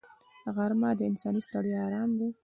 غرمه د انساني ستړیا آرام دی